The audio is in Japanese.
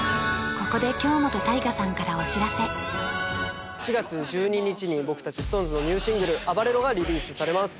ここで４月１２日に僕たちＳｉｘＴＯＮＥＳのニューシングル『ＡＢＡＲＥＲＯ』がリリースされます。